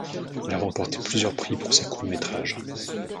Il a remporté plusieurs prix pour ses courts métrages.